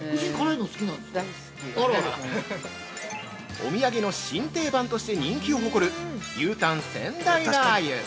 ◆お土産の新定番として人気を誇る「牛タン仙台ラー油」。